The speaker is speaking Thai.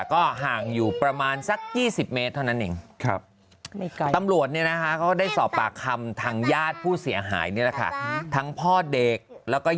ก็ห่างอยู่ประมาณสัก๒๐เมตร